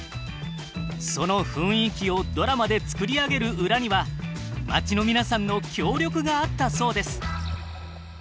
その雰囲気をドラマで作り上げる裏には町の皆さんの協力があったそうです。